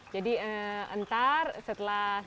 jadi nanti setelah di sini kita mau ke rumah